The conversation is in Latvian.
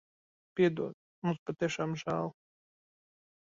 Piedod. Mums patiešām žēl.